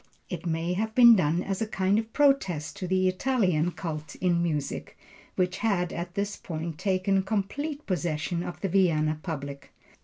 It may have been done as a kind of protest to the Italian cult in music, which had at this period taken complete possession of the Vienna public.